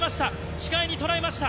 視界に捉えました。